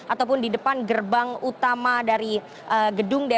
ataupun di depan gerbang utama dari gedung dpr